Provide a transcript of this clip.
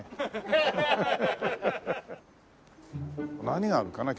何があるかな？